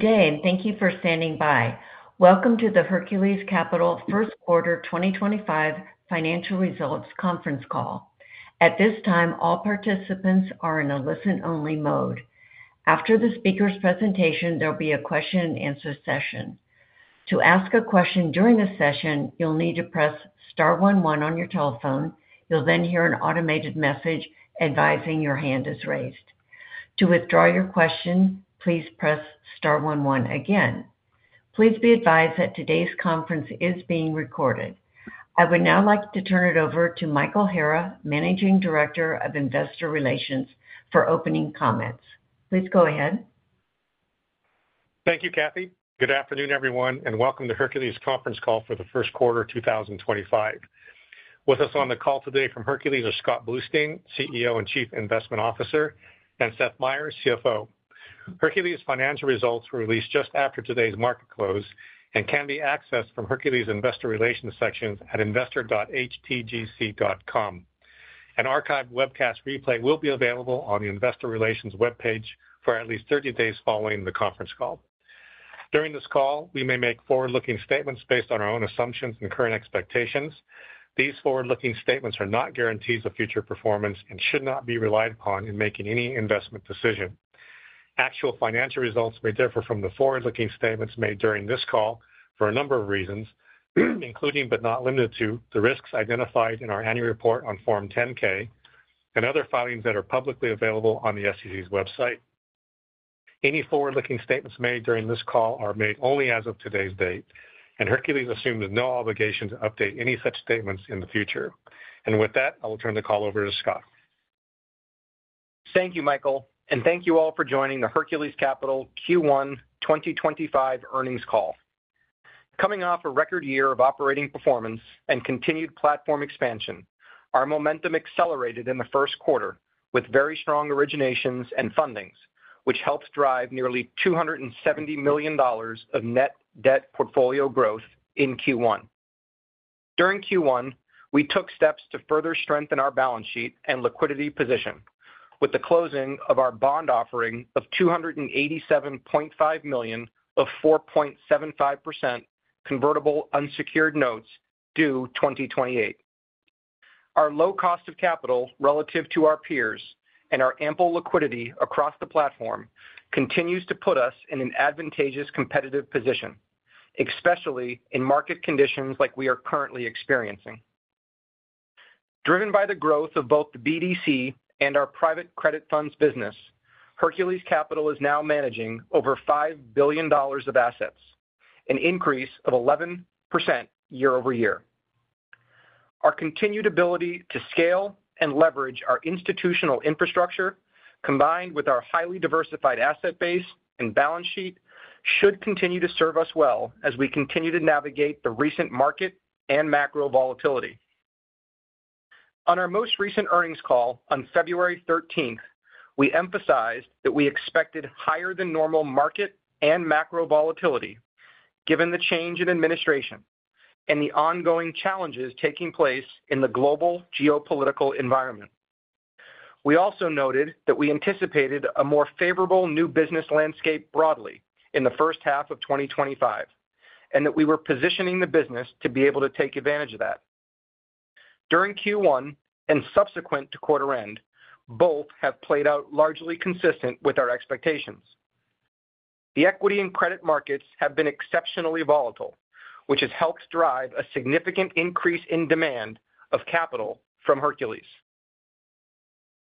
Good day, and thank you for standing by. Welcome to the Hercules Capital Q1 2025 Financial Results Conference Call. At this time, all participants are in a listen-only mode. After the speaker's presentation, there'll be a question-and-answer session. To ask a question during the session, you'll need to press Star 11 on your telephone. You'll then hear an automated message advising your hand is raised. To withdraw your question, please press Star 11 again. Please be advised that today's conference is being recorded. I would now like to turn it over to Michael Hara, Managing Director of Investor Relations, for opening comments. Please go ahead. Thank you, Kathy. Good afternoon, everyone, and welcome to Hercules Conference Call for the Q1 2025. With us on the call today from Hercules are Scott Bluestein, CEO and Chief Investment Officer, and Seth Meyer, CFO. Hercules financial results were released just after today's market close and can be accessed from Hercules Investor Relations section at investor.htgc.com. An archived webcast replay will be available on the Investor Relations web page for at least 30 days following the conference call. During this call, we may make forward-looking statements based on our own assumptions and current expectations. These forward-looking statements are not guarantees of future performance and should not be relied upon in making any investment decision. Actual financial results may differ from the forward-looking statements made during this call for a number of reasons, including but not limited to the risks identified in our annual report on Form 10-K and other filings that are publicly available on the SEC's website. Any forward-looking statements made during this call are made only as of today's date, and Hercules assumes no obligation to update any such statements in the future. I will turn the call over to Scott. Thank you, Michael, and thank you all for joining the Hercules Capital Q1 2025 earnings call. Coming off a record year of operating performance and continued platform expansion, our momentum accelerated in the Q1 with very strong originations and fundings, which helped drive nearly $270 million of net debt portfolio growth in Q1. During Q1, we took steps to further strengthen our balance sheet and liquidity position, with the closing of our bond offering of $287.5 million of 4.75% convertible unsecured notes due 2028. Our low cost of capital relative to our peers and our ample liquidity across the platform continues to put us in an advantageous competitive position, especially in market conditions like we are currently experiencing. Driven by the growth of both the BDC and our private credit funds business, Hercules Capital is now managing over $5 billion of assets, an increase of 11% year over year. Our continued ability to scale and leverage our institutional infrastructure, combined with our highly diversified asset base and balance sheet, should continue to serve us well as we continue to navigate the recent market and macro volatility. On our most recent earnings call on February 13th, we emphasized that we expected higher-than-normal market and macro volatility, given the change in administration and the ongoing challenges taking place in the global geopolitical environment. We also noted that we anticipated a more favorable new business landscape broadly in the first half of 2025 and that we were positioning the business to be able to take advantage of that. During Q1 and subsequent to quarter-end, both have played out largely consistent with our expectations. The equity and credit markets have been exceptionally volatile, which has helped drive a significant increase in demand of capital from Hercules.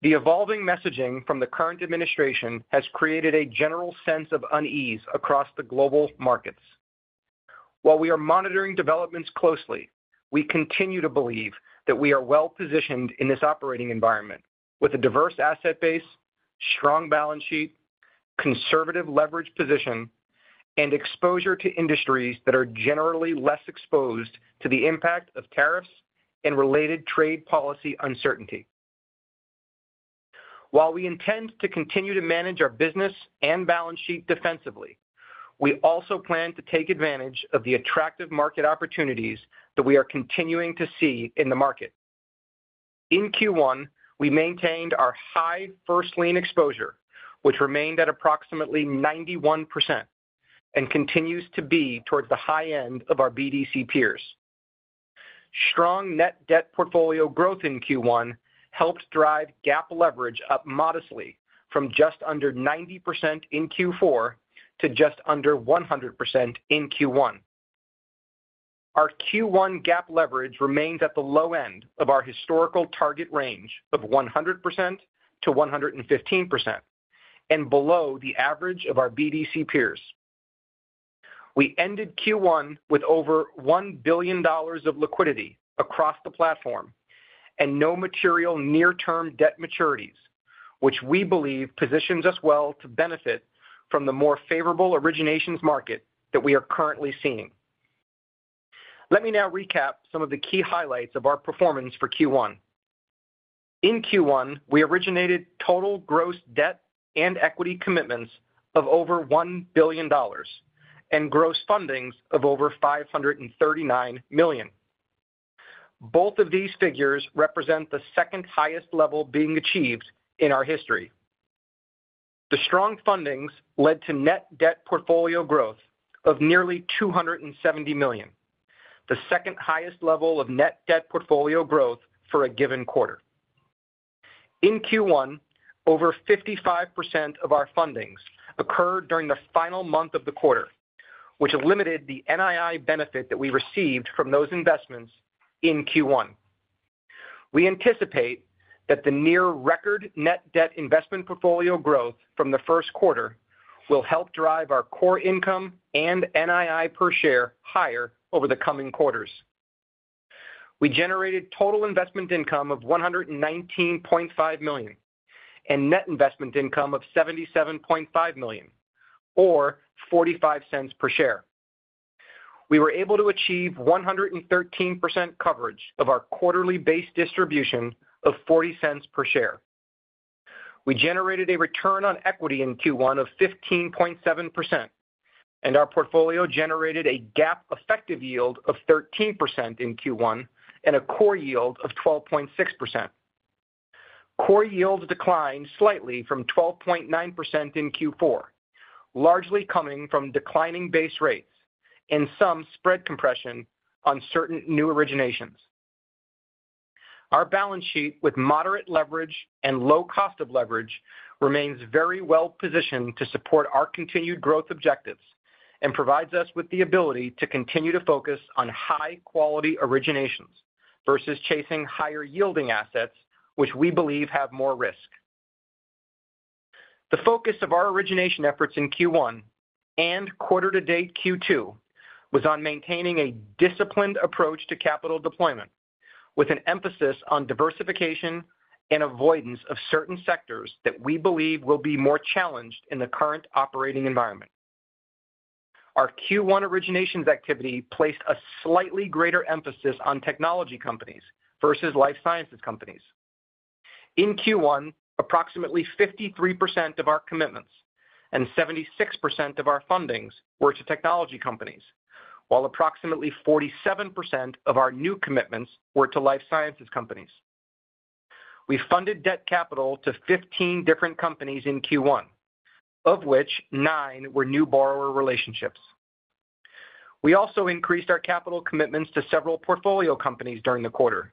The evolving messaging from the current administration has created a general sense of unease across the global markets. While we are monitoring developments closely, we continue to believe that we are well-positioned in this operating environment with a diverse asset base, strong balance sheet, conservative leverage position, and exposure to industries that are generally less exposed to the impact of tariffs and related trade policy uncertainty. While we intend to continue to manage our business and balance sheet defensively, we also plan to take advantage of the attractive market opportunities that we are continuing to see in the market. In Q1, we maintained our high first-lien exposure, which remained at approximately 91% and continues to be towards the high end of our BDC peers. Strong net debt portfolio growth in Q1 helped drive GAAP leverage up modestly from just under 90% in Q4 to just under 100% in Q1. Our Q1 GAAP leverage remains at the low end of our historical target range of 100%-115% and below the average of our BDC peers. We ended Q1 with over $1 billion of liquidity across the platform and no material near-term debt maturities, which we believe positions us well to benefit from the more favorable originations market that we are currently seeing. Let me now recap some of the key highlights of our performance for Q1. In Q1, we originated total gross debt and equity commitments of over $1 billion and gross fundings of over $539 million. Both of these figures represent the second highest level being achieved in our history. The strong fundings led to net debt portfolio growth of nearly $270 million, the second highest level of net debt portfolio growth for a given quarter. In Q1, over 55% of our fundings occurred during the final month of the quarter, which limited the NII benefit that we received from those investments in Q1. We anticipate that the near-record net debt investment portfolio growth from the Q1 will help drive our core income and NII per share higher over the coming quarters. We generated total investment income of $119.5 million and net investment income of $77.5 million, or $0.45 per share. We were able to achieve 113% coverage of our quarterly base distribution of $0.40 per share. We generated a return on equity in Q1 of 15.7%, and our portfolio generated a GAAP effective yield of 13% in Q1 and a core yield of 12.6%. Core yields declined slightly from 12.9% in Q4, largely coming from declining base rates and some spread compression on certain new originations. Our balance sheet, with moderate leverage and low cost of leverage, remains very well-positioned to support our continued growth objectives and provides us with the ability to continue to focus on high-quality originations versus chasing higher-yielding assets, which we believe have more risk. The focus of our origination efforts in Q1 and quarter-to-date Q2 was on maintaining a disciplined approach to capital deployment, with an emphasis on diversification and avoidance of certain sectors that we believe will be more challenged in the current operating environment. Our Q1 originations activity placed a slightly greater emphasis on technology companies versus life sciences companies. In Q1, approximately 53% of our commitments and 76% of our fundings were to technology companies, while approximately 47% of our new commitments were to life sciences companies. We funded debt capital to 15 different companies in Q1, of which nine were new borrower relationships. We also increased our capital commitments to several portfolio companies during the quarter,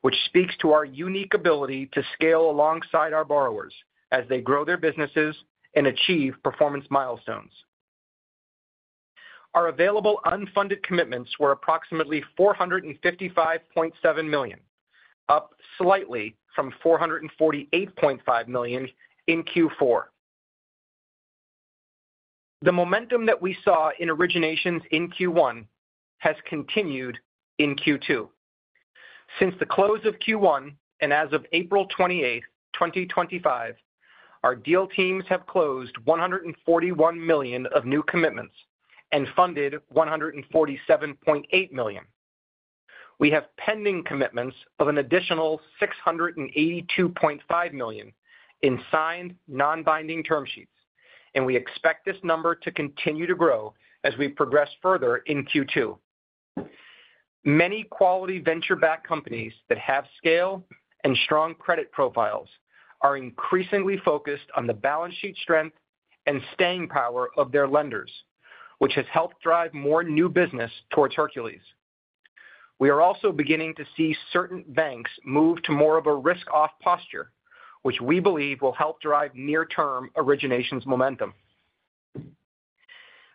which speaks to our unique ability to scale alongside our borrowers as they grow their businesses and achieve performance milestones. Our available unfunded commitments were approximately $455.7 million, up slightly from $448.5 million in Q4. The momentum that we saw in originations in Q1 has continued in Q2. Since the close of Q1 and as of April 28, 2025, our deal teams have closed $141 million of new commitments and funded $147.8 million. We have pending commitments of an additional $682.5 million in signed non-binding term sheets, and we expect this number to continue to grow as we progress further in Q2. Many quality venture-backed companies that have scale and strong credit profiles are increasingly focused on the balance sheet strength and staying power of their lenders, which has helped drive more new business towards Hercules. We are also beginning to see certain banks move to more of a risk-off posture, which we believe will help drive near-term originations momentum.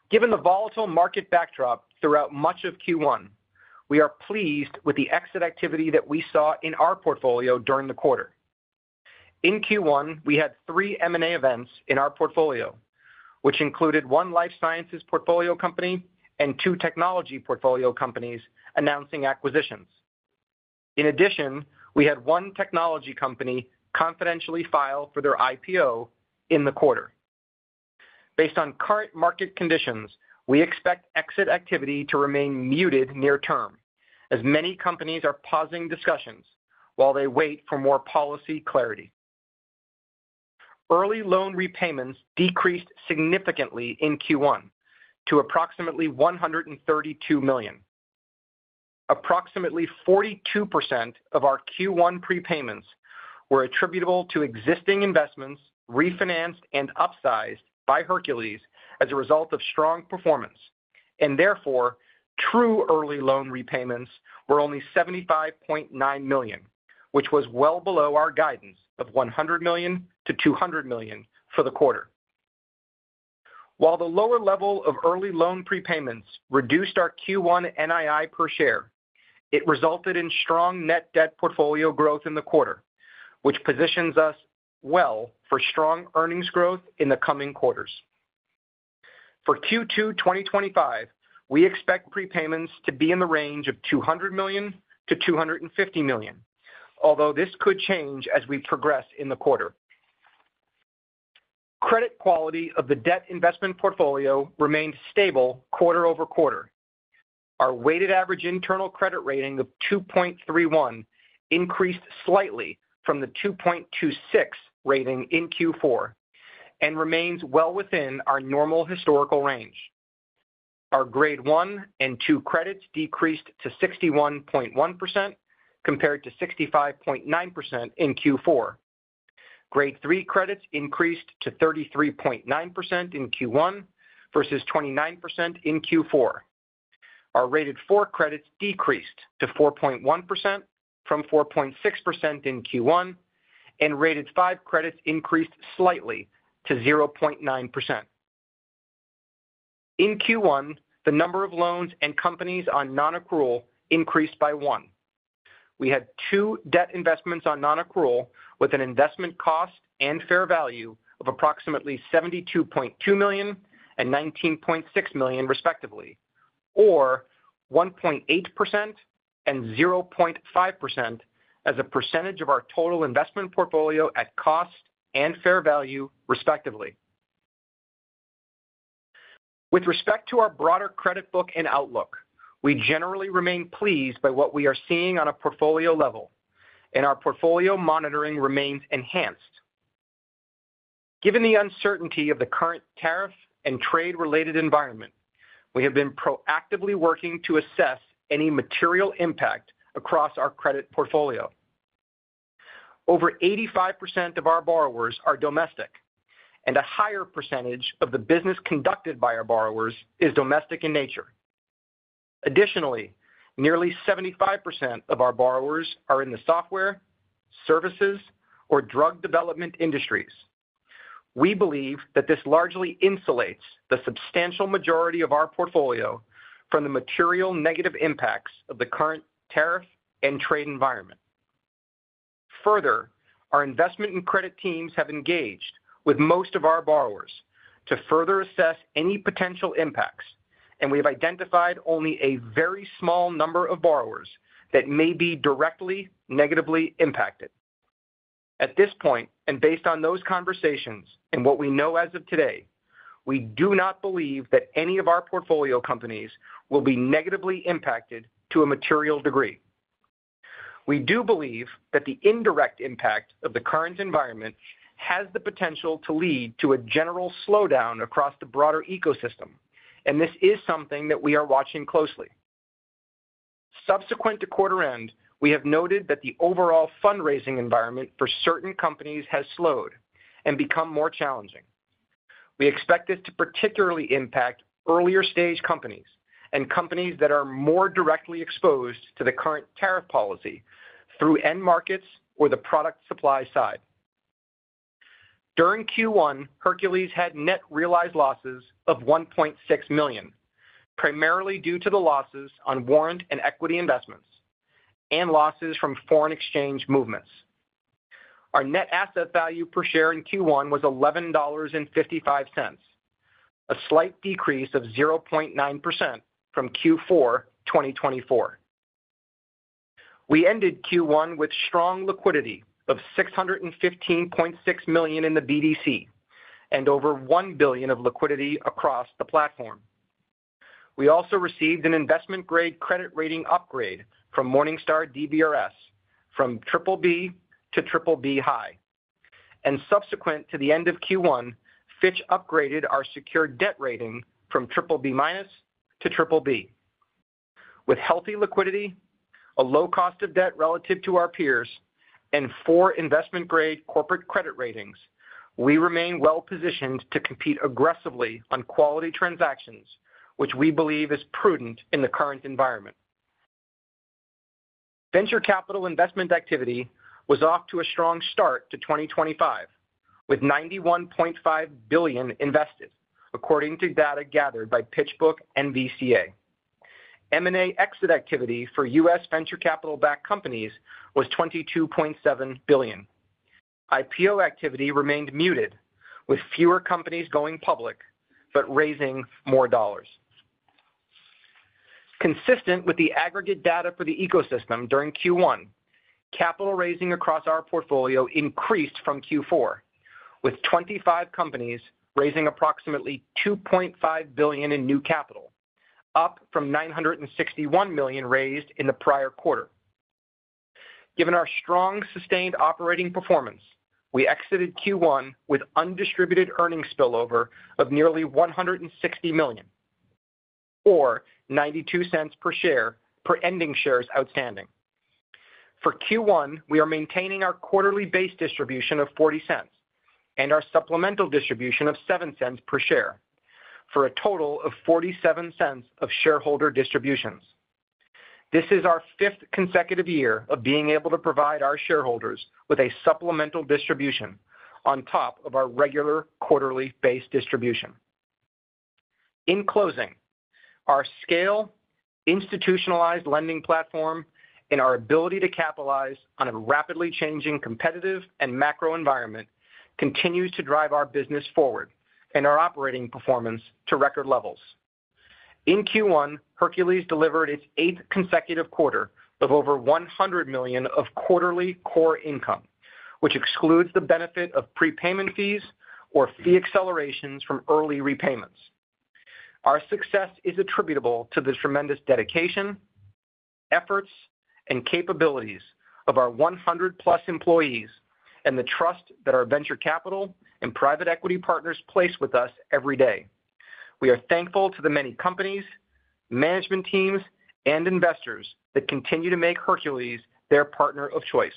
Given the volatile market backdrop throughout much of Q1, we are pleased with the exit activity that we saw in our portfolio during the quarter. In Q1, we had three M&A events in our portfolio, which included one life sciences portfolio company and two technology portfolio companies announcing acquisitions. In addition, we had one technology company confidentially file for their IPO in the quarter. Based on current market conditions, we expect exit activity to remain muted near-term, as many companies are pausing discussions while they wait for more policy clarity. Early loan repayments decreased significantly in Q1 to approximately $132 million. Approximately 42% of our Q1 prepayments were attributable to existing investments refinanced and upsized by Hercules as a result of strong performance, and therefore true early loan repayments were only $75.9 million, which was well below our guidance of $100 to 200 million for the quarter. While the lower level of early loan prepayments reduced our Q1 NII per share, it resulted in strong net debt portfolio growth in the quarter, which positions us well for strong earnings growth in the coming quarters. For Q2 2025, we expect prepayments to be in the range of $200 to 250 million, although this could change as we progress in the quarter. Credit quality of the debt investment portfolio remained stable quarter over quarter. Our weighted average internal credit rating of 2.31 increased slightly from the 2.26 rating in Q4 and remains well within our normal historical range. Our grade one and two credits decreased to 61.1% compared to 65.9% in Q4. Grade three credits increased to 33.9% in Q1 versus 29% in Q4. Our rated four credits decreased to 4.1% from 4.6% in Q1, and rated 5 credits increased slightly to 0.9%. In Q1, the number of loans and companies on non-accrual increased by one. We had two debt investments on non-accrual with an investment cost and fair value of approximately $72.2 million and $19.6 million, respectively, or 1.8% and 0.5% as a percentage of our total investment portfolio at cost and fair value, respectively. With respect to our broader credit book and outlook, we generally remain pleased by what we are seeing on a portfolio level, and our portfolio monitoring remains enhanced. Given the uncertainty of the current tariff and trade-related environment, we have been proactively working to assess any material impact across our credit portfolio. Over 85% of our borrowers are domestic, and a higher percentage of the business conducted by our borrowers is domestic in nature. Additionally, nearly 75% of our borrowers are in the software, services, or drug development industries. We believe that this largely insulates the substantial majority of our portfolio from the material negative impacts of the current tariff and trade environment. Further, our investment and credit teams have engaged with most of our borrowers to further assess any potential impacts, and we have identified only a very small number of borrowers that may be directly negatively impacted. At this point, and based on those conversations and what we know as of today, we do not believe that any of our portfolio companies will be negatively impacted to a material degree. We do believe that the indirect impact of the current environment has the potential to lead to a general slowdown across the broader ecosystem, and this is something that we are watching closely. Subsequent to quarter-end, we have noted that the overall fundraising environment for certain companies has slowed and become more challenging. We expect this to particularly impact earlier-stage companies and companies that are more directly exposed to the current tariff policy through end markets or the product supply side. During Q1, Hercules had net realized losses of $1.6 million, primarily due to the losses on warrant and equity investments and losses from foreign exchange movements. Our net asset value per share in Q1 was $11.55, a slight decrease of 0.9% from Q4 2024. We ended Q1 with strong liquidity of $615.6 million in the BDC and over $1 billion of liquidity across the platform. We also received an investment-grade credit rating upgrade from Morningstar DBRS from BBB to BBB High, and subsequent to the end of Q1, Fitch upgraded our secured debt rating from BBB minus to BBB. With healthy liquidity, a low cost of debt relative to our peers, and four investment-grade corporate credit ratings, we remain well-positioned to compete aggressively on quality transactions, which we believe is prudent in the current environment. Venture capital investment activity was off to a strong start to 2025, with $91.5 billion invested, according to data gathered by PitchBook and NVCA. M&A exit activity for U.S. venture capital-backed companies was $22.7 billion. IPO activity remained muted, with fewer companies going public but raising more dollars. Consistent with the aggregate data for the ecosystem during Q1, capital raising across our portfolio increased from Q4, with 25 companies raising approximately $2.5 billion in new capital, up from $961 million raised in the prior quarter. Given our strong sustained operating performance, we exited Q1 with undistributed earnings spillover of nearly $160 million, or $0.92 per share per ending shares outstanding. For Q1, we are maintaining our quarterly base distribution of $0.40 and our supplemental distribution of $0.07 per share for a total of $0.47 of shareholder distributions. This is our fifth consecutive year of being able to provide our shareholders with a supplemental distribution on top of our regular quarterly base distribution. In closing, our scale, institutionalized lending platform, and our ability to capitalize on a rapidly changing competitive and macro environment continues to drive our business forward and our operating performance to record levels. In Q1, Hercules delivered its eighth consecutive quarter of over $100 million of quarterly core income, which excludes the benefit of prepayment fees or fee accelerations from early repayments. Our success is attributable to the tremendous dedication, efforts, and capabilities of our 100-plus employees and the trust that our venture capital and private equity partners place with us every day. We are thankful to the many companies, management teams, and investors that continue to make Hercules their partner of choice.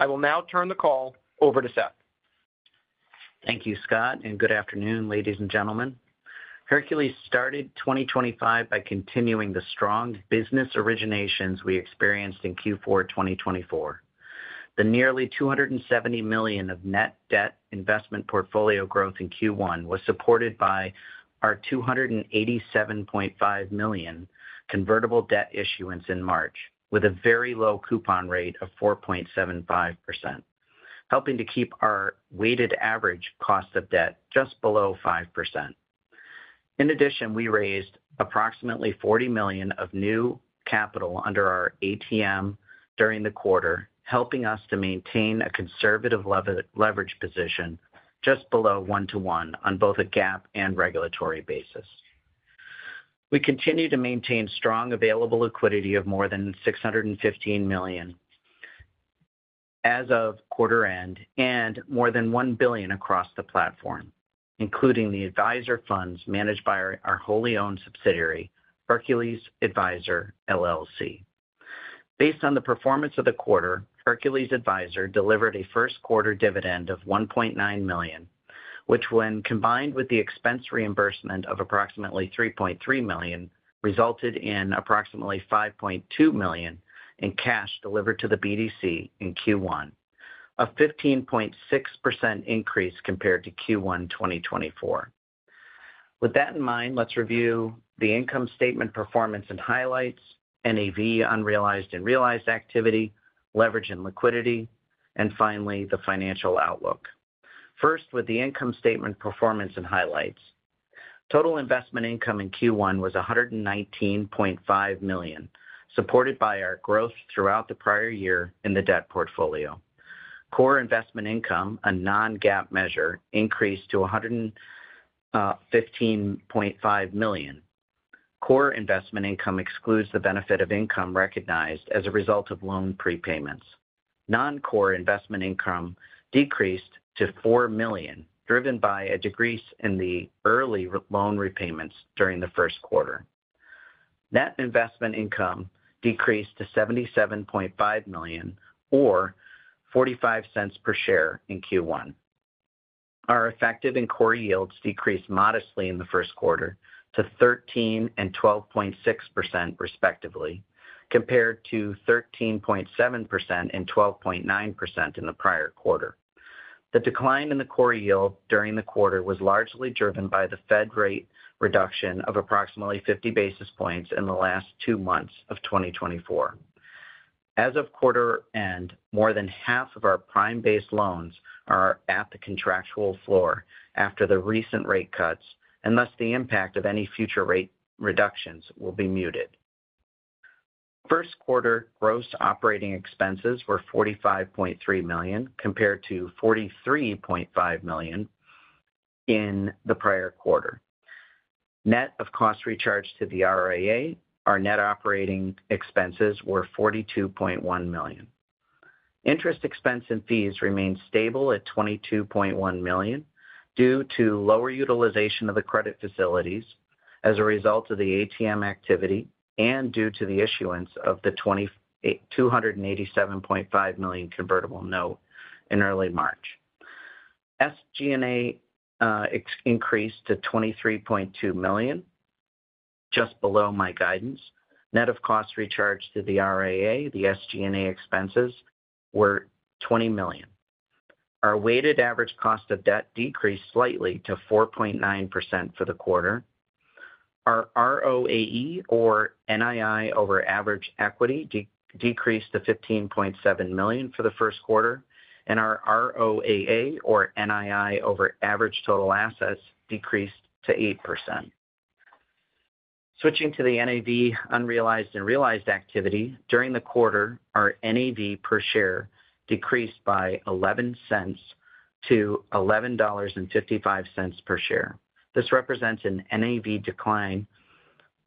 I will now turn the call over to Seth. Thank you, Scott, and good afternoon, ladies and gentlemen. Hercules started 2025 by continuing the strong business originations we experienced in Q4 2024. The nearly $270 million of net debt investment portfolio growth in Q1 was supported by our $287.5 million convertible debt issuance in March, with a very low coupon rate of 4.75%, helping to keep our weighted average cost of debt just below 5%. In addition, we raised approximately $40 million of new capital under our ATM during the quarter, helping us to maintain a conservative leverage position just below one-to-one on both a GAAP and regulatory basis. We continue to maintain strong available liquidity of more than $615 million as of quarter-end and more than $1 billion across the platform, including the advisor funds managed by our wholly owned subsidiary, Hercules Advisor LLC. Based on the performance of the quarter, Hercules Advisor delivered a first-quarter dividend of $1.9 million, which, when combined with the expense reimbursement of approximately $3.3 million, resulted in approximately $5.2 million in cash delivered to the BDC in Q1, a 15.6% increase compared to Q1 2024. With that in mind, let's review the income statement performance and highlights, NAV, unrealized and realized activity, leverage and liquidity, and finally, the financial outlook. First, with the income statement performance and highlights. Total investment income in Q1 was $119.5 million, supported by our growth throughout the prior year in the debt portfolio. Core investment income, a non-GAAP measure, increased to $115.5 million. Core investment income excludes the benefit of income recognized as a result of loan prepayments. Non-core investment income decreased to $4 million, driven by a decrease in the early loan repayments during Q1. Net investment income decreased to $77.5 million, or $0.45 per share in Q1. Our effective and core yields decreased modestly in Q1 to 13% and 12.6%, respectively, compared to 13.7% and 12.9% in the prior quarter. The decline in the core yield during the quarter was largely driven by the Fed rate reduction of approximately 50 basis points in the last two months of 2024. As of quarter-end, more than half of our prime-based loans are at the contractual floor after the recent rate cuts, and thus the impact of any future rate reductions will be muted. First-quarter gross operating expenses were $45.3 million, compared to $43.5 million in the prior quarter. Net of cost recharged to the RIA, our net operating expenses were $42.1 million. Interest expense and fees remained stable at $22.1 million due to lower utilization of the credit facilities as a result of the ATM activity and due to the issuance of the $287.5 million convertible note in early March. SG&A increased to $23.2 million, just below my guidance. Net of cost recharged to the RIA, the SG&A expenses were $20 million. Our weighted average cost of debt decreased slightly to 4.9% for the quarter. Our ROAE, or NII over average equity, decreased to $15.7 million for Q1, and our ROAA, or NII over average total assets, decreased to 8%. Switching to the NAV, unrealized and realized activity, during the quarter, our NAV per share decreased by $0.11 to $11.55 per share. This represents an NAV decline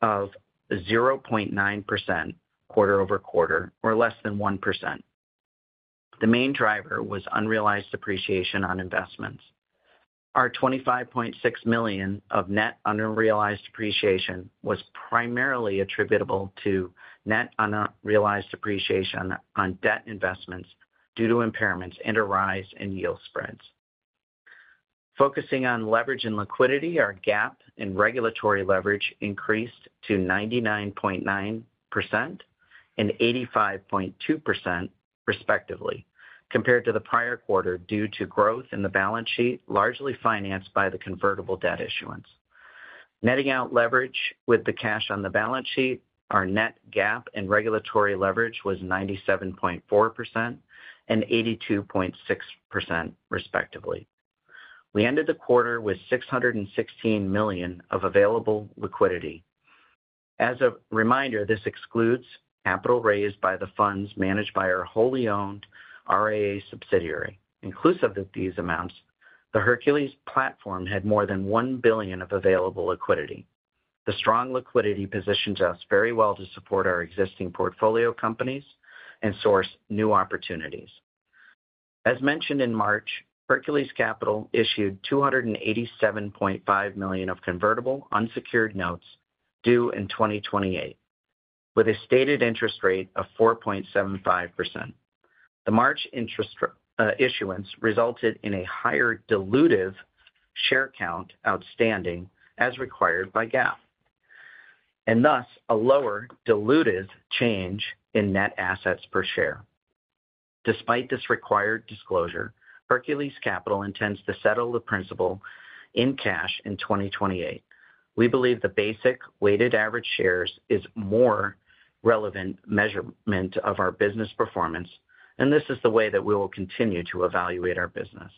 of 0.9% quarter over quarter, or less than 1%. The main driver was unrealized depreciation on investments. Our $25.6 million of net unrealized depreciation was primarily attributable to net unrealized depreciation on debt investments due to impairments and a rise in yield spreads. Focusing on leverage and liquidity, our GAAP and regulatory leverage increased to 99.9% and 85.2%, respectively, compared to the prior quarter due to growth in the balance sheet largely financed by the convertible debt issuance. Netting out leverage with the cash on the balance sheet, our net GAAP and regulatory leverage was 97.4% and 82.6%, respectively. We ended the quarter with $616 million of available liquidity. As a reminder, this excludes capital raised by the funds managed by our wholly owned RIA subsidiary. Inclusive of these amounts, the Hercules platform had more than $1 billion of available liquidity. The strong liquidity positions us very well to support our existing portfolio companies and source new opportunities. As mentioned in March, Hercules Capital issued $287.5 million of convertible unsecured notes due in 2028, with a stated interest rate of 4.75%. The March interest issuance resulted in a higher dilutive share count outstanding, as required by GAAP, and thus a lower dilutive change in net assets per share. Despite this required disclosure, Hercules Capital intends to settle the principal in cash in 2028. We believe the basic weighted average shares is a more relevant measurement of our business performance, and this is the way that we will continue to evaluate our business.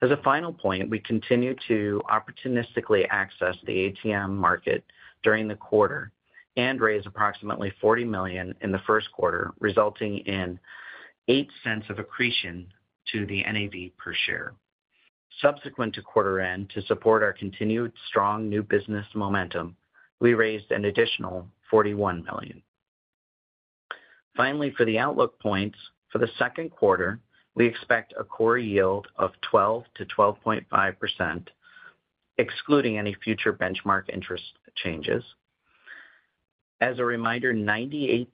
As a final point, we continue to opportunistically access the ATM market during the quarter and raise approximately $40 million in Q1, resulting in $0.08 of accretion to the NAV per share. Subsequent to quarter-end, to support our continued strong new business momentum, we raised an additional $41 million. Finally, for the outlook points, for the Q2, we expect a core yield of 12%-12.5%, excluding any future benchmark interest changes. As a reminder, 98%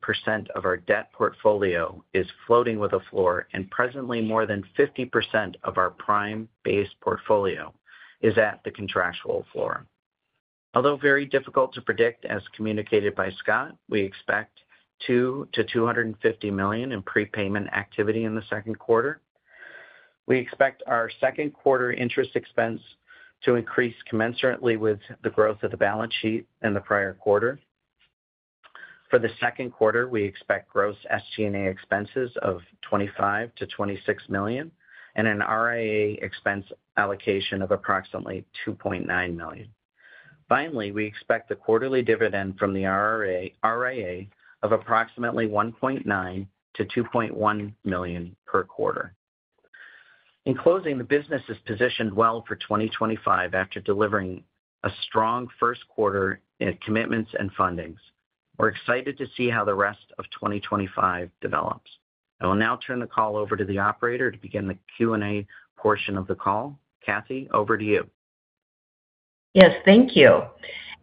of our debt portfolio is floating with a floor, and presently, more than 50% of our prime-based portfolio is at the contractual floor. Although very difficult to predict, as communicated by Scott, we expect $200 million to 250 million in prepayment activity in the Q2. We expect our Q2 interest expense to increase commensurately with the growth of the balance sheet in the prior quarter. For the Q2, we expect gross SG&A expenses of $25 to 26 million, and an RIA expense allocation of approximately $2.9 million. Finally, we expect the quarterly dividend from the RIA of approximately $1.9 to 2.1 million per quarter. In closing, the business is positioned well for 2025 after delivering a strong Q1 commitments and fundings. We're excited to see how the rest of 2025 develops. I will now turn the call over to the operator to begin the Q&A portion of the call. Kathy, over to you. Yes, thank you.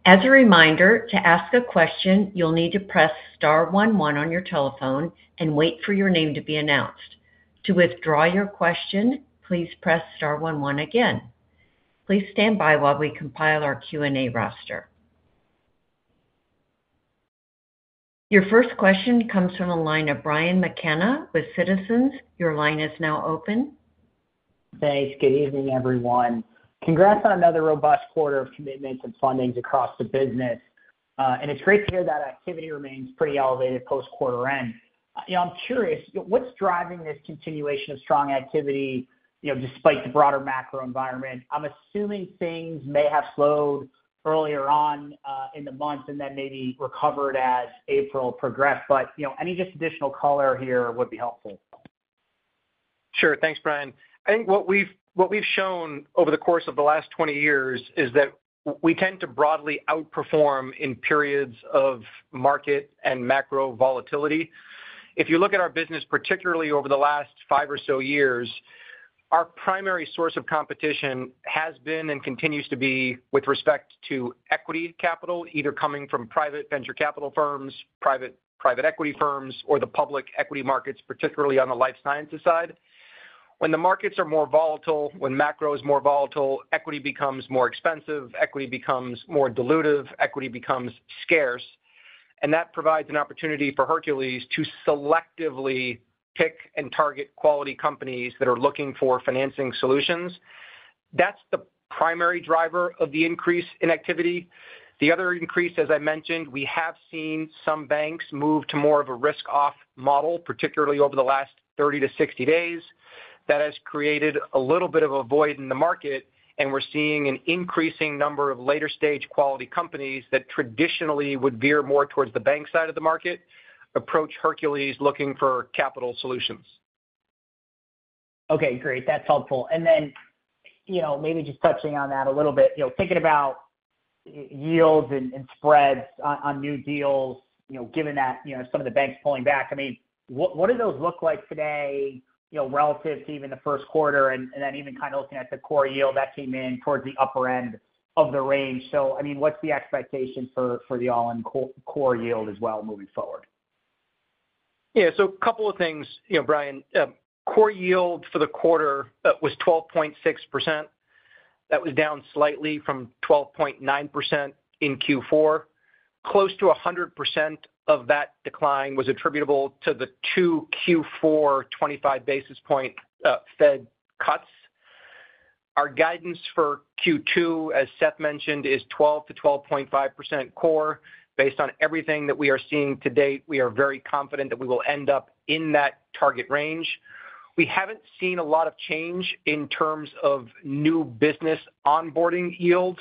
As a reminder, to ask a question, you'll need to press Star one one on your telephone and wait for your name to be announced. To withdraw your question, please press Star one one again. Please stand by while we compile our Q&A roster. Your first question comes from a line of Brian McKenna with Citizens. Your line is now open. Thanks. Good evening, everyone. Congrats on another robust quarter of commitments and fundings across the business. It's great to hear that activity remains pretty elevated post-quarter-end. I'm curious, what's driving this continuation of strong activity despite the broader macro environment? I'm assuming things may have slowed earlier on in the month and then maybe recovered as April progressed, but any just additional color here would be helpful. Sure. Thanks, Brian. I think what we've shown over the course of the last 20 years is that we tend to broadly outperform in periods of market and macro volatility. If you look at our business, particularly over the last five or so years, our primary source of competition has been and continues to be with respect to equity capital, either coming from private venture capital firms, private equity firms, or the public equity markets, particularly on the life sciences side. When the markets are more volatile, when macro is more volatile, equity becomes more expensive, equity becomes more dilutive, equity becomes scarce. That provides an opportunity for Hercules to selectively pick and target quality companies that are looking for financing solutions. That is the primary driver of the increase in activity. The other increase, as I mentioned, we have seen some banks move to more of a risk-off model, particularly over the last 30 to 60 days. That has created a little bit of a void in the market, and we are seeing an increasing number of later-stage quality companies that traditionally would veer more towards the bank side of the market approach Hercules looking for capital solutions. Okay, great. That is helpful. Maybe just touching on that a little bit, thinking about yields and spreads on new deals, given that some of the banks are pulling back. I mean, what do those look like today relative to even the Q1 and then even kind of looking at the core yield that came in towards the upper end of the range? I mean, what's the expectation for the all-in core yield as well moving forward? Yeah. A couple of things, Brian. Core yield for the quarter was 12.6%. That was down slightly from 12.9% in Q4. Close to 100% of that decline was attributable to the two Q4 25 basis point Fed cuts. Our guidance for Q2, as Seth mentioned, is 12%-12.5% core. Based on everything that we are seeing to date, we are very confident that we will end up in that target range. We haven't seen a lot of change in terms of new business onboarding yields.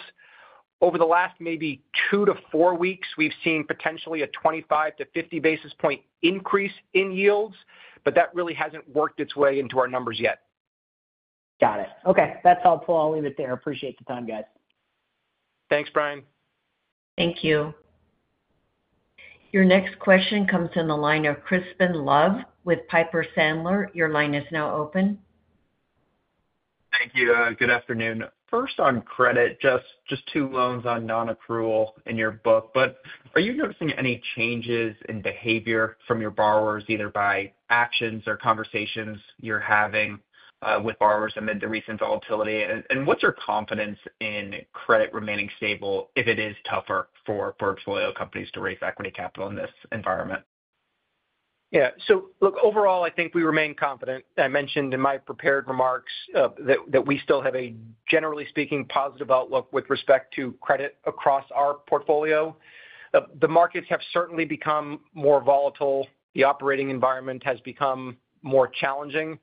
Over the last maybe two to four weeks, we've seen potentially a 25-50 basis point increase in yields, but that really hasn't worked its way into our numbers yet. Got it. Okay. That's helpful. I'll leave it there. Appreciate the time, guys. Thanks, Brian. Thank you. Your next question comes from the line of Crispin Love with Piper Sandler. Your line is now open. Thank you. Good afternoon. First, on credit, just two loans on non-accrual in your book, but are you noticing any changes in behavior from your borrowers, either by actions or conversations you're having with borrowers amid the recent volatility? What's your confidence in credit remaining stable if it is tougher for portfolio companies to raise equity capital in this environment? Yeah. Look, overall, I think we remain confident. I mentioned in my prepared remarks that we still have a, generally speaking, positive outlook with respect to credit across our portfolio. The markets have certainly become more volatile. The operating environment has become more challenging.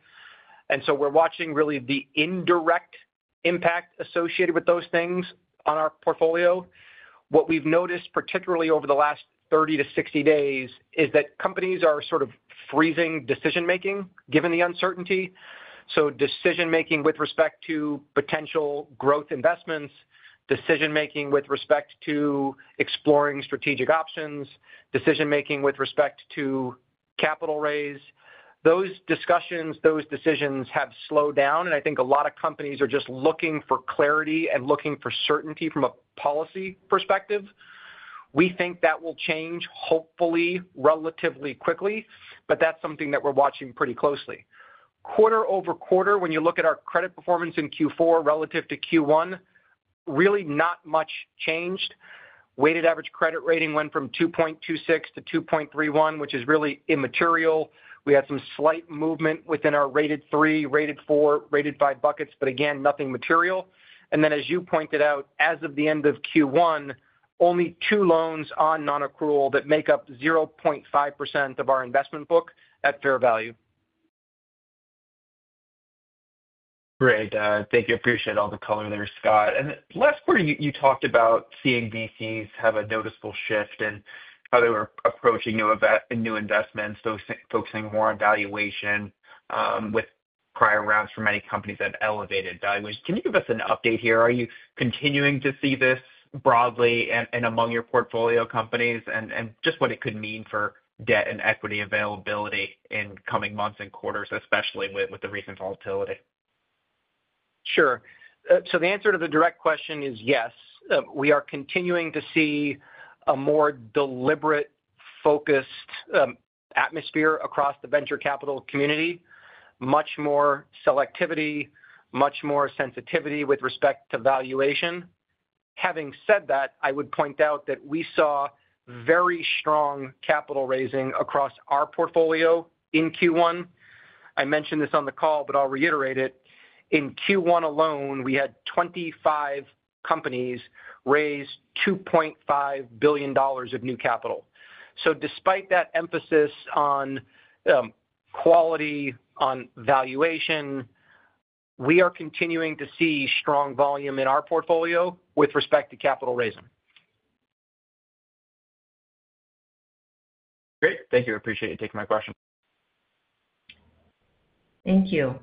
We are watching really the indirect impact associated with those things on our portfolio. What we've noticed, particularly over the last 30 to 60 days, is that companies are sort of freezing decision-making given the uncertainty. Decision-making with respect to potential growth investments, decision-making with respect to exploring strategic options, decision-making with respect to capital raise. Those discussions, those decisions have slowed down, and I think a lot of companies are just looking for clarity and looking for certainty from a policy perspective. We think that will change, hopefully, relatively quickly, but that's something that we're watching pretty closely. Quarter over quarter, when you look at our credit performance in Q4 relative to Q1, really not much changed. Weighted average credit rating went from 2.26 to 2.31, which is really immaterial. We had some slight movement within our rated three, rated four, rated five buckets, but again, nothing material. As you pointed out, as of the end of Q1, only two loans on non-accrual that make up 0.5% of our investment book at fair value. Great. Thank you. I appreciate all the color there, Scott. Last quarter, you talked about seeing VCs have a noticeable shift in how they were approaching new investments, focusing more on valuation with prior rounds from many companies that elevated valuations. Can you give us an update here? Are you continuing to see this broadly and among your portfolio companies and just what it could mean for debt and equity availability in coming months and quarters, especially with the recent volatility? Sure. The answer to the direct question is yes. We are continuing to see a more deliberate, focused atmosphere across the venture capital community, much more selectivity, much more sensitivity with respect to valuation. Having said that, I would point out that we saw very strong capital raising across our portfolio in Q1. I mentioned this on the call, but I'll reiterate it. In Q1 alone, we had 25 companies raise $2.5 billion of new capital. Despite that emphasis on quality, on valuation, we are continuing to see strong volume in our portfolio with respect to capital raising. Great. Thank you. I appreciate you taking my question. Thank you.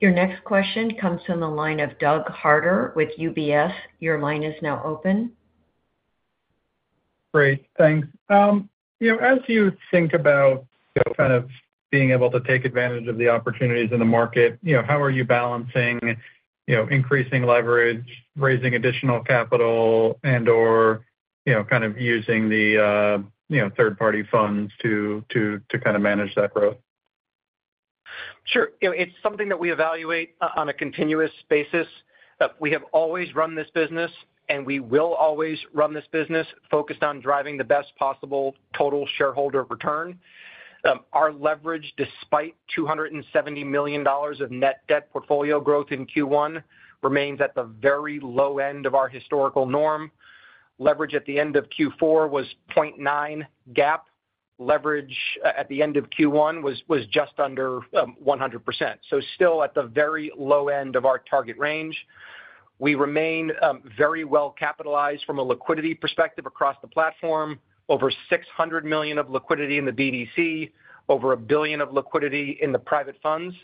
Your next question comes from the line of Doug Harter with UBS. Your line is now open. Great. Thanks. As you think about kind of being able to take advantage of the opportunities in the market, how are you balancing increasing leverage, raising additional capital, and/or kind of using the third-party funds to kind of manage that growth? Sure. It's something that we evaluate on a continuous basis. We have always run this business, and we will always run this business focused on driving the best possible total shareholder return. Our leverage, despite $270 million of net debt portfolio growth in Q1, remains at the very low end of our historical norm. Leverage at the end of Q4 was 0.9 GAAP. Leverage at the end of Q1 was just under 100%. So still at the very low end of our target range. We remain very well capitalized from a liquidity perspective across the platform, over $600 million of liquidity in the BDC, over $1 billion of liquidity in the private funds.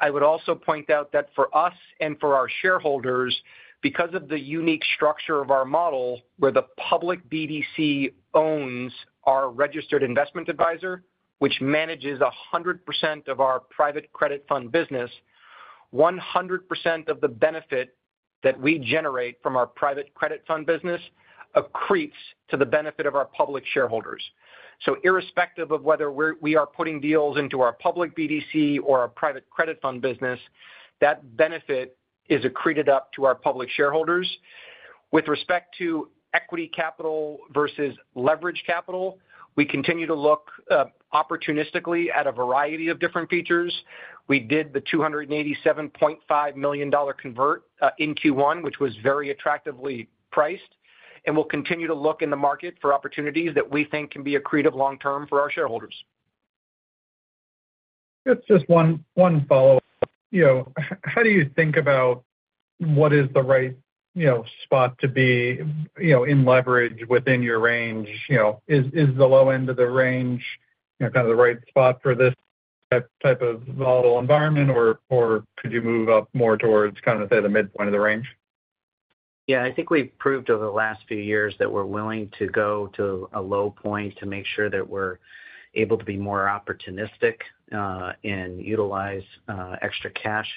I would also point out that for us and for our shareholders, because of the unique structure of our model where the public BDC owns our registered investment advisor, which manages 100% of our private credit fund business, 100% of the benefit that we generate from our private credit fund business accretes to the benefit of our public shareholders. Irrespective of whether we are putting deals into our public BDC or our private credit fund business, that benefit is accreted up to our public shareholders. With respect to equity capital versus leverage capital, we continue to look opportunistically at a variety of different features. We did the $287.5 million convert in Q1, which was very attractively priced, and we'll continue to look in the market for opportunities that we think can be accretive long-term for our shareholders. Just one follow-up. How do you think about what is the right spot to be in leverage within your range? Is the low end of the range kind of the right spot for this type of volatile environment, or could you move up more towards kind of, say, the midpoint of the range? Yeah. I think we've proved over the last few years that we're willing to go to a low point to make sure that we're able to be more opportunistic and utilize extra cash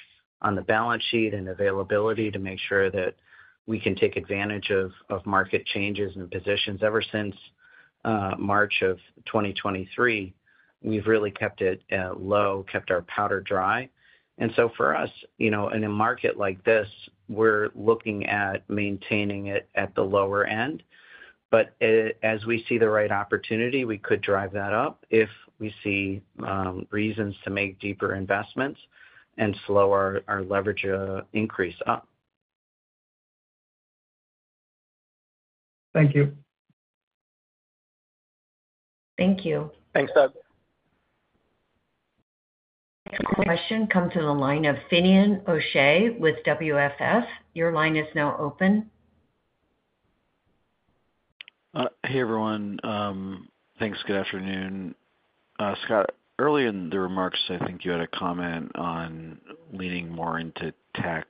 on the balance sheet and availability to make sure that we can take advantage of market changes and positions. Ever since March of 2023, we've really kept it low, kept our powder dry. For us, in a market like this, we're looking at maintaining it at the lower end. As we see the right opportunity, we could drive that up if we see reasons to make deeper investments and slow our leverage increase up. Thank you. Thank you. Thanks, Doug. Next question comes from the line of Finian O'Shea with WFS. Your line is now open. Hey, everyone. Thanks. Good afternoon. Scott, early in the remarks, I think you had a comment on leaning more into tech.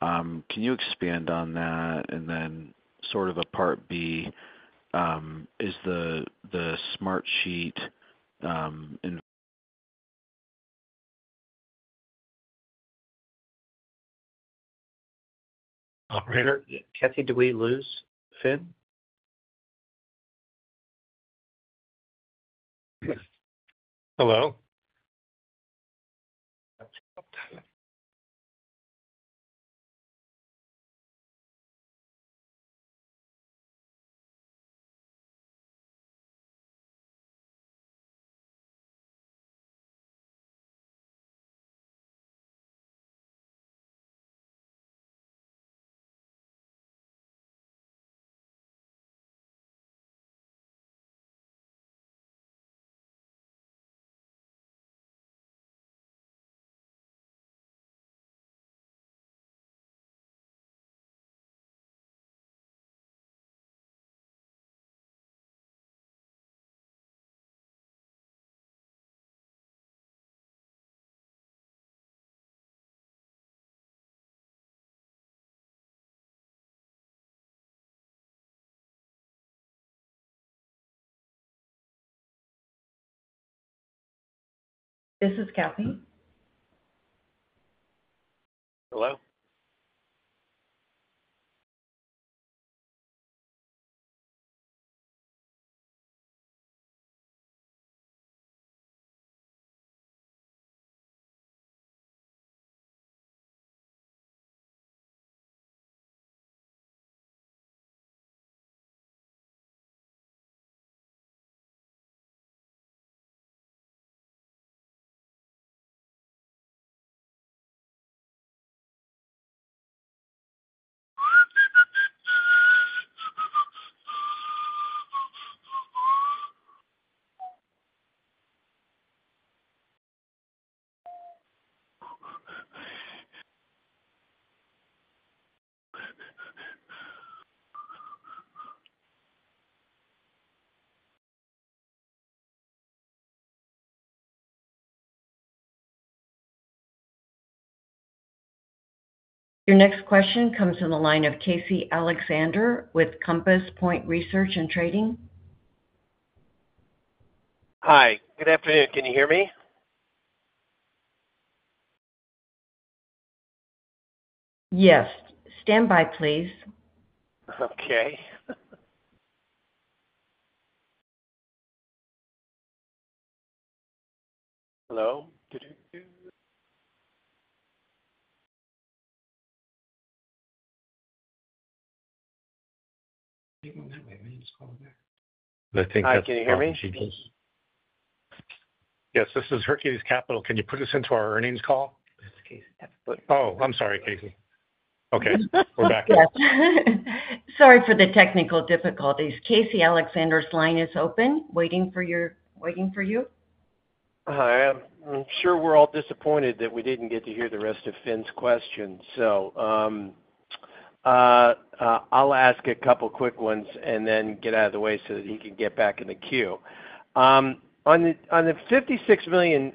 Can you expand on that? And then sort of a part B, is the Smartsheet in operator? Kathy, did we lose Fin? Hello? This is Kathy. Hello? Your next question comes from the line of Casey Alexander with Compass Point Research and Trading. Hi. Good afternoon. Can you hear me? Yes. Stand by, please. Okay. Hello? I think that's Hi, can you hear me? Yes, this is Hercules Capital. Can you put us into our earnings call? Oh, I'm sorry, Casey. Okay. We're back. Sorry for the technical difficulties. Casey Alexander's line is open. Waiting for you. I am. I'm sure we're all disappointed that we didn't get to hear the rest of Finn's questions. I will ask a couple of quick ones and then get out of the way so that he can get back in the queue. On the $56 million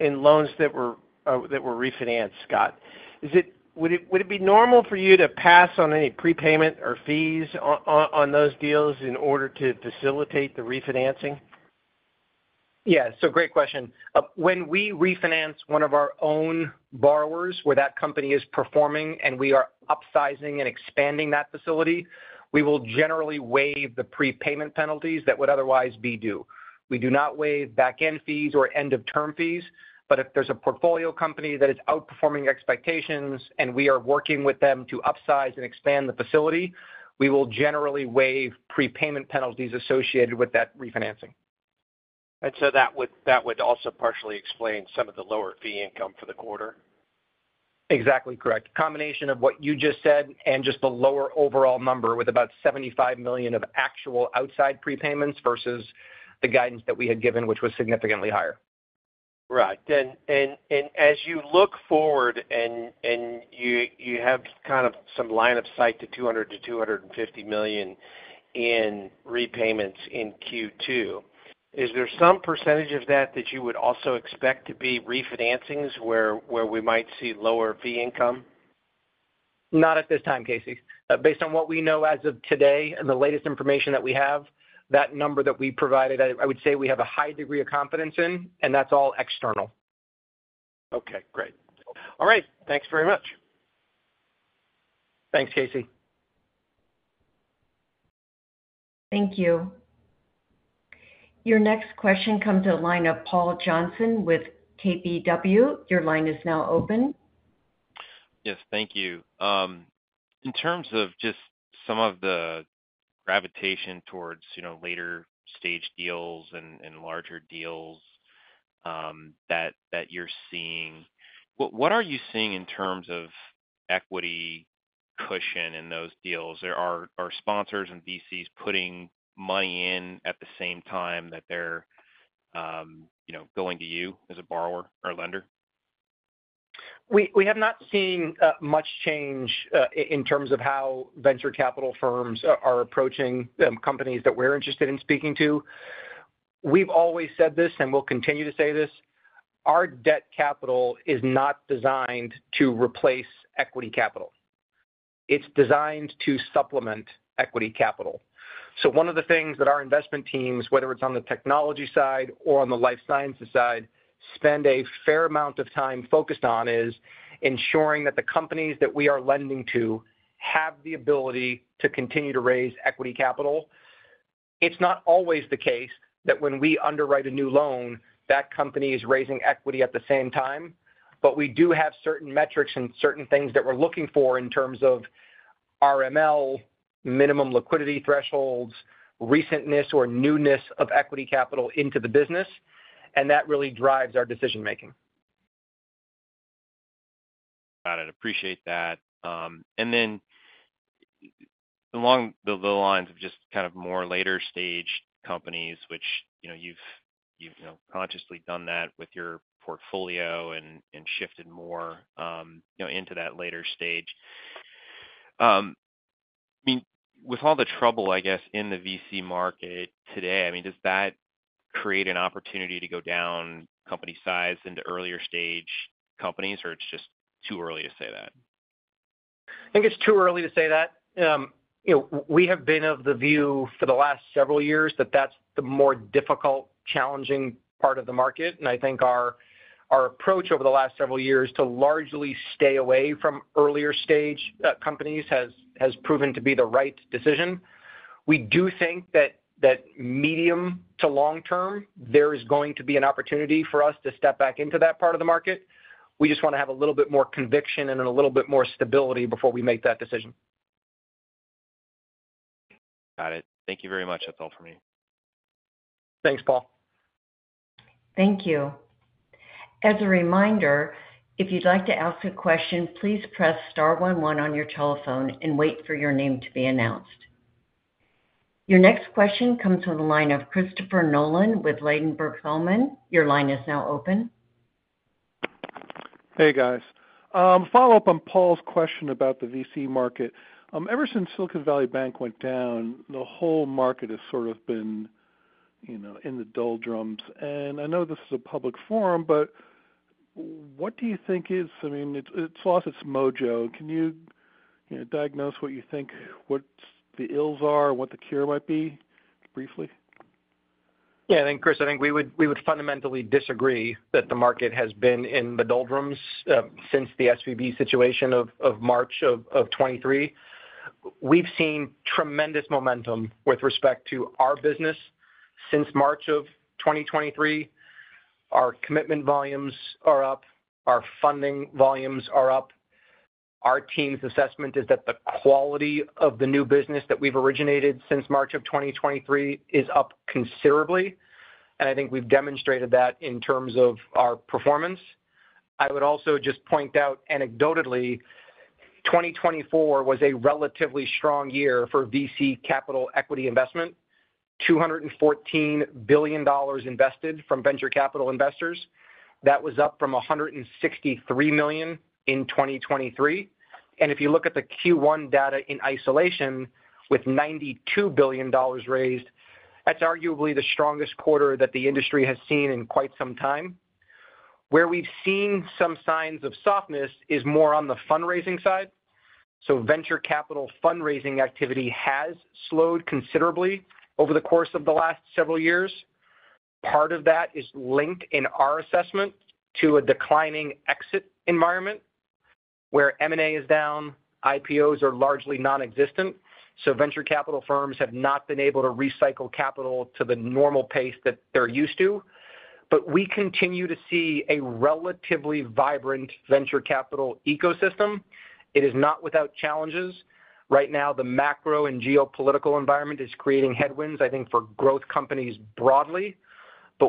in loans that were refinanced, Scott, would it be normal for you to pass on any prepayment or fees on those deals in order to facilitate the refinancing? Yeah. Great question. When we refinance one of our own borrowers where that company is performing and we are upsizing and expanding that facility, we will generally waive the prepayment penalties that would otherwise be due. We do not waive back-end fees or end-of-term fees, but if there's a portfolio company that is outperforming expectations and we are working with them to upsize and expand the facility, we will generally waive prepayment penalties associated with that refinancing. That would also partially explain some of the lower fee income for the quarter. Exactly correct. Combination of what you just said and just the lower overall number with about $75 million of actual outside prepayments versus the guidance that we had given, which was significantly higher. Right.As you look forward and you have kind of some line of sight to $200 to 250 million in repayments in Q2, is there some percentage of that that you would also expect to be refinancings where we might see lower fee income? Not at this time, Casey. Based on what we know as of today and the latest information that we have, that number that we provided, I would say we have a high degree of confidence in, and that's all external. Okay. Great. All right. Thanks very much. Thanks, Casey. Thank you. Your next question comes from the line of Paul Johnson with KBW. Your line is now open. Yes. Thank you. In terms of just some of the gravitation towards later-stage deals and larger deals that you're seeing, what are you seeing in terms of equity cushion in those deals? Are sponsors and VCs putting money in at the same time that they're going to you as a borrower or lender? We have not seen much change in terms of how venture capital firms are approaching companies that we're interested in speaking to. We've always said this and we'll continue to say this. Our debt capital is not designed to replace equity capital. It's designed to supplement equity capital. One of the things that our investment teams, whether it's on the technology side or on the life sciences side, spend a fair amount of time focused on is ensuring that the companies that we are lending to have the ability to continue to raise equity capital. It's not always the case that when we underwrite a new loan, that company is raising equity at the same time, but we do have certain metrics and certain things that we're looking for in terms of RML, minimum liquidity thresholds, recentness or newness of equity capital into the business, and that really drives our decision-making. Got it. Appreciate that. Along the lines of just kind of more later-stage companies, which you've consciously done that with your portfolio and shifted more into that later stage. I mean, with all the trouble, I guess, in the VC market today, does that create an opportunity to go down company size into earlier-stage companies, or it's just too early to say that? I think it's too early to say that. We have been of the view for the last several years that that's the more difficult, challenging part of the market, and I think our approach over the last several years to largely stay away from earlier-stage companies has proven to be the right decision. We do think that medium to long-term, there is going to be an opportunity for us to step back into that part of the market. We just want to have a little bit more conviction and a little bit more stability before we make that decision. Got it. Thank you very much. That's all for me. Thanks, Paul. Thank you. As a reminder, if you'd like to ask a question, please press star 11 on your telephone and wait for your name to be announced. Your next question comes from the line of Christopher Nolan with Ladenburg Thalmann. Your line is now open. Hey, guys. Follow-up on Paul's question about the VC market. Ever since Silicon Valley Bank went down, the whole market has sort of been in the doldrums. I know this is a public forum, but what do you think is—I mean, it's all its mojo. Can you diagnose what you think what the ills are and what the cure might be, briefly? Yeah. I think, Chris, I think we would fundamentally disagree that the market has been in the doldrums since the SVB situation of March of 2023. We've seen tremendous momentum with respect to our business since March of 2023. Our commitment volumes are up. Our funding volumes are up. Our team's assessment is that the quality of the new business that we've originated since March of 2023 is up considerably, and I think we've demonstrated that in terms of our performance. I would also just point out anecdotally, 2024 was a relatively strong year for VC capital equity investment. $214 billion invested from venture capital investors. That was up from $163 billion in 2023. If you look at the Q1 data in isolation with $92 billion raised, that is arguably the strongest quarter that the industry has seen in quite some time. Where we have seen some signs of softness is more on the fundraising side. Venture capital fundraising activity has slowed considerably over the course of the last several years. Part of that is linked in our assessment to a declining exit environment where M&A is down, IPOs are largely nonexistent. Venture capital firms have not been able to recycle capital to the normal pace that they are used to. We continue to see a relatively vibrant venture capital ecosystem. It is not without challenges. Right now, the macro and geopolitical environment is creating headwinds, I think, for growth companies broadly.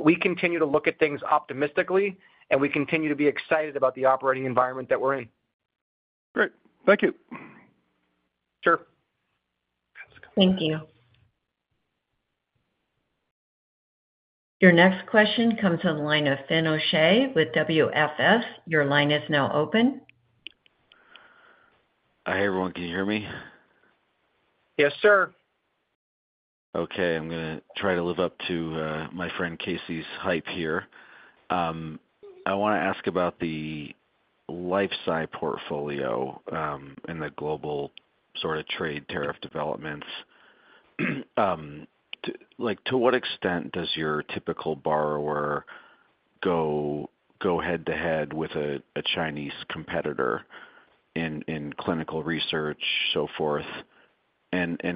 We continue to look at things optimistically, and we continue to be excited about the operating environment that we're in. Great. Thank you. Sure. Thank you. Your next question comes from the line of Finian O'Shea with WFS. Your line is now open. Hi, everyone. Can you hear me? Yes, sir. Okay. I'm going to try to live up to my friend Casey's hype here. I want to ask about the life sci portfolio and the global sort of trade tariff developments. To what extent does your typical borrower go head-to-head with a Chinese competitor in clinical research, so forth?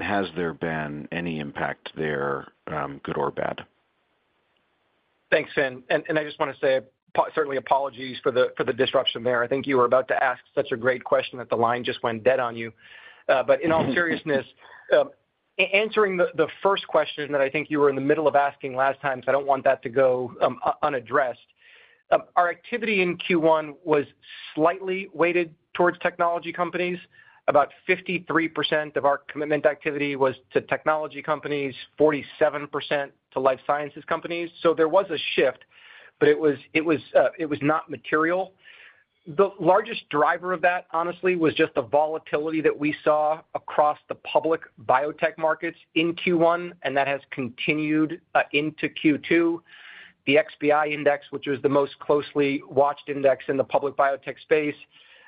Has there been any impact there, good or bad? Thanks, Finian. I just want to say certainly apologies for the disruption there. I think you were about to ask such a great question that the line just went dead on you. In all seriousness, answering the first question that I think you were in the middle of asking last time, I do not want that to go unaddressed. Our activity in Q1 was slightly weighted towards technology companies. About 53% of our commitment activity was to technology companies, 47% to life sciences companies. There was a shift, but it was not material. The largest driver of that, honestly, was just the volatility that we saw across the public biotech markets in Q1, and that has continued into Q2. The XBI index, which was the most closely watched index in the public biotech space,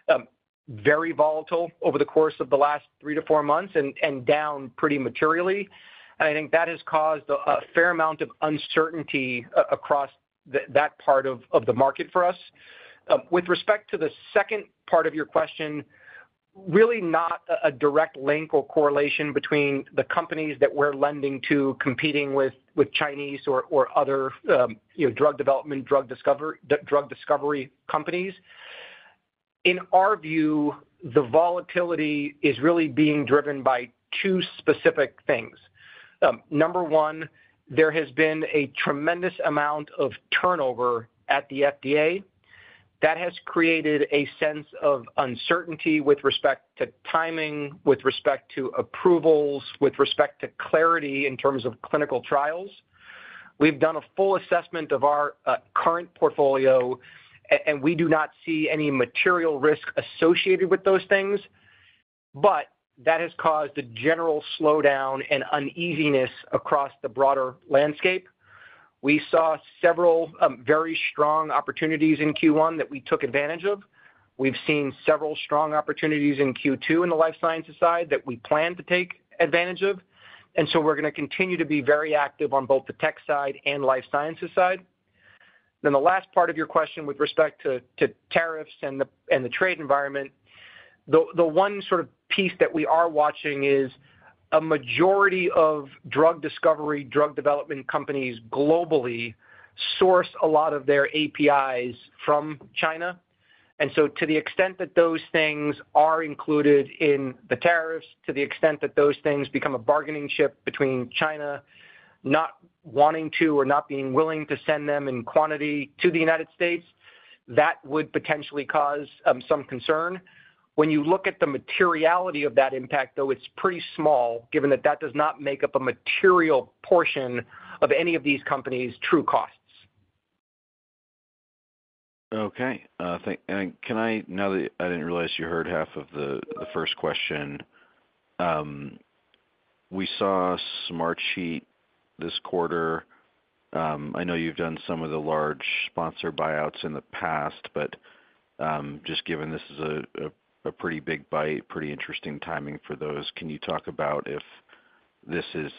was very volatile over the course of the last three to four months and down pretty materially. I think that has caused a fair amount of uncertainty across that part of the market for us. With respect to the second part of your question, really not a direct link or correlation between the companies that we're lending to competing with Chinese or other drug development, drug discovery companies. In our view, the volatility is really being driven by two specific things. Number one, there has been a tremendous amount of turnover at the FDA. That has created a sense of uncertainty with respect to timing, with respect to approvals, with respect to clarity in terms of clinical trials. We've done a full assessment of our current portfolio, and we do not see any material risk associated with those things, but that has caused a general slowdown and uneasiness across the broader landscape. We saw several very strong opportunities in Q1 that we took advantage of. We've seen several strong opportunities in Q2 in the life sciences side that we plan to take advantage of. We're going to continue to be very active on both the tech side and life sciences side. The last part of your question with respect to tariffs and the trade environment, the one sort of piece that we are watching is a majority of drug discovery, drug development companies globally source a lot of their APIs from China. To the extent that those things are included in the tariffs, to the extent that those things become a bargaining chip between China not wanting to or not being willing to send them in quantity to the United States, that would potentially cause some concern. When you look at the materiality of that impact, though, it's pretty small, given that that does not make up a material portion of any of these companies' true costs. Okay. Now, I didn't realize you heard half of the first question. We saw Smartsheet this quarter. I know you've done some of the large sponsor buyouts in the past, but just given this is a pretty big bite, pretty interesting timing for those, can you talk about if this is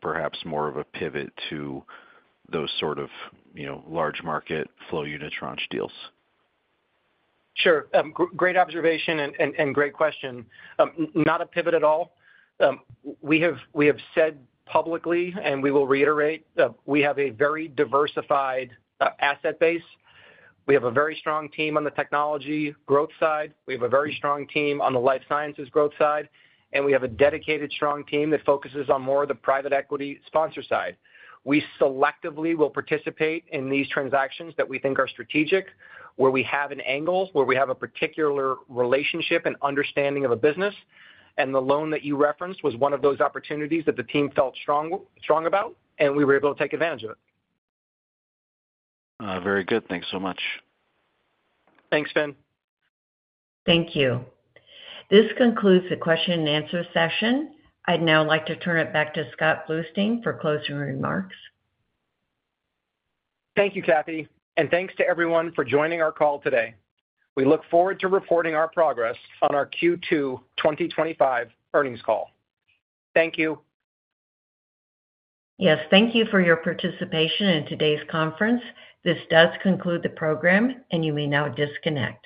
perhaps more of a pivot to those sort of large market flow unit tranche deals? Sure. Great observation and great question. Not a pivot at all. We have said publicly, and we will reiterate, we have a very diversified asset base. We have a very strong team on the technology growth side. We have a very strong team on the life sciences growth side, and we have a dedicated, strong team that focuses on more of the private equity sponsor side. We selectively will participate in these transactions that we think are strategic, where we have an angle, where we have a particular relationship and understanding of a business. The loan that you referenced was one of those opportunities that the team felt strong about, and we were able to take advantage of it. Very good. Thanks so much. Thanks, Fin. Thank you. This concludes the question-and-answer session. I'd now like to turn it back to Scott Bluestein for closing remarks. Thank you, Kathy. Thanks to everyone for joining our call today. We look forward to reporting our progress on our Q2 2025 earnings call. Thank you. Yes. Thank you for your participation in today's conference. This does conclude the program, and you may now disconnect.